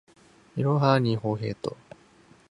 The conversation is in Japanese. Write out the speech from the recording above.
いろはにほへと